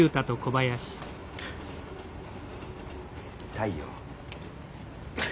痛いよ。